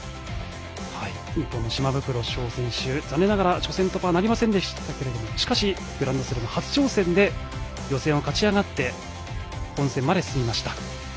島袋将選手残念ながら初戦突破はなりませんでしたがしかし、グランドスラム初挑戦で予選を勝ち上がって本戦まで進みました。